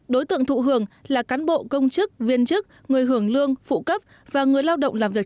đối tượng thụ hưởng là cán bộ công chức viên chức người hưởng lương phụ cấp và người lao động làm việc